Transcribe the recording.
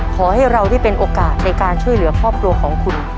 ขอให้เราได้เป็นโอกาสในการช่วยเหลือครอบครัวของคุณ